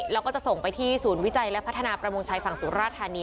แล้วก็จะส่งไปที่ศูนย์วิจัยและพัฒนาประมงชายฝั่งสุราธานี